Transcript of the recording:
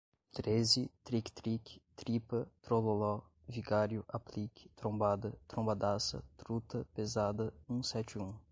treze, tric-tric, tripa, trololó, vigário, aplique, trombada, trombadaça, truta, pesada, um sete um